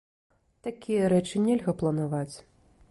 Такія рэчы нельга планаваць.